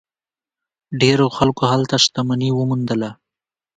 ډیرو خلکو هلته شتمني وموندله.